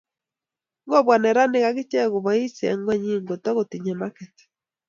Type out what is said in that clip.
Ngobwa neranik agichek kobois eng kot nyi kotukotinyei maket